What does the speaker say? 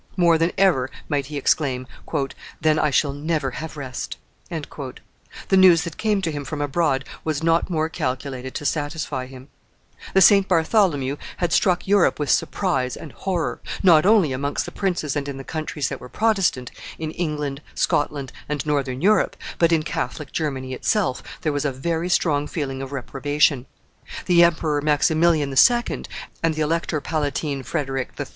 More than ever might he exclaim, "Then I shall never have rest!" The news that came to him from abroad was not more calculated to satisfy him. [Illustration: The St. Bartholomew 383] The St. Bartholomew had struck Europe with surprise and horror; not only amongst the princes and in the countries that were Protestant, in England, Scotland, and Northern Europe, but in Catholic Germany itself, there was a very strong feeling of reprobation; the Emperor Maximilian II. and the Elector Palatine Frederic III.